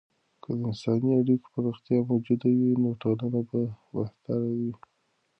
که د انساني اړیکو پراختیا موجوده وي، نو ټولنه به بهتره وي.